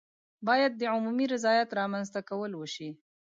باید د عمومي رضایت رامنځته کول وشي.